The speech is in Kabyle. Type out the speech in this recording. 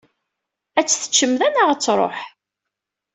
Ad tt-teččemt da neɣ ad tṛuḥ?